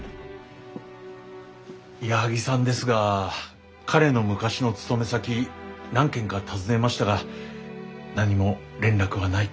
矢作さんですが彼の昔の勤め先何軒か尋ねましたが何も連絡はないと。